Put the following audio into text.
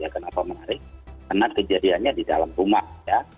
kenapa menarik karena kejadiannya di dalam rumah ya